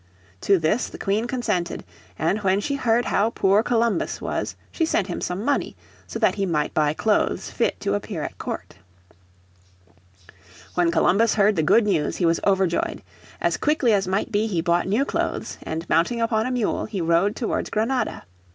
To this the Queen consented, and when she heard how poor Columbus was she sent him some money, so that he might buy clothes fit to appear at court. When Columbus heard the good news he was overjoyed. As quickly as might be he bought new clothes, and mounting upon a mule he rode towards Granada.